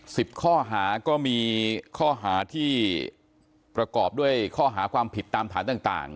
สิบข้อหาก็มีข้อหาที่ประกอบด้วยข้อหาความผิดตามฐานต่างต่าง